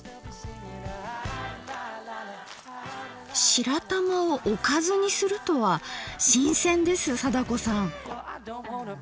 白玉をおかずにするとは新鮮です貞子さん。